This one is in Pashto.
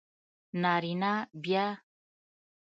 نارینه بیا